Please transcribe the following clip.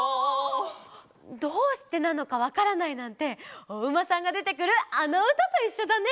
どうしてなのかわからないなんておうまさんがでてくるあのうたといっしょだね！